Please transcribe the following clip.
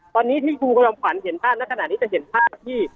ตอนนี้ที่คุณจอมขวัญเห็นภาพในขณะนี้จะเห็นภาพที่